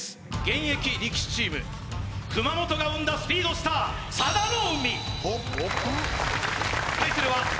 現役力士チーム熊本が生んだスピードスター佐田の海対するは